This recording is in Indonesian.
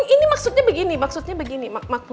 ini maksudnya begini maksudnya begini